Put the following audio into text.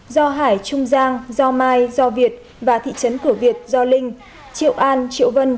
do hải trung giang do mai do việt và thị trấn cửa việt do linh triệu an triệu vân